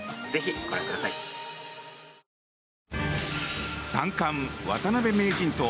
ぜひ、ご覧ください！